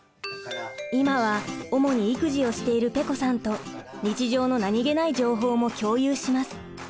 今は主に育児をしているぺこさんと日常の何気ない情報も共有します。